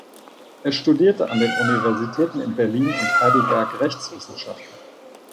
Er studierte an den Universitäten in Berlin und Heidelberg Rechtswissenschaften.